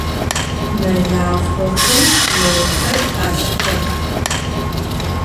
Melaxhoxem melxer alhıtex.